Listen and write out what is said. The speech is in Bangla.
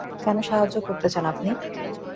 কেন সাহায্য করতে চান আপনি?